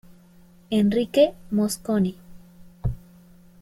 Enrique Mosconi.